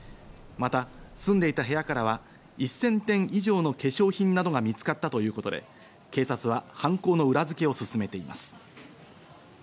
また住んでいた部屋からは１０００点以上の化粧品などが見つかったということで、警察は犯行の裏付けを進めています。